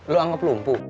lu anggap lumpuh